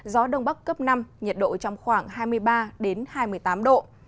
gió đông bắc cấp năm nhiệt độ trong khoảng hai mươi ba hai mươi tám độ